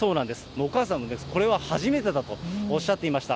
もうお母さんも、これは初めてだとおっしゃっていました。